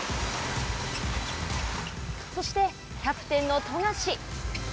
そして、キャプテンの富樫。